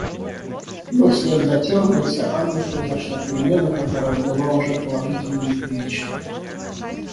Но вслед затем в лице Анны произошла перемена, которая была уже положительно неприлична.